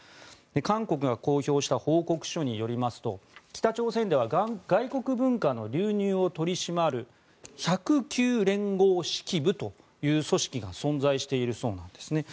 韓国が公表した報告書によりますと北朝鮮では外国文化の流入を取り締まる１０９連合指揮部という組織が存在しているそうなんですね。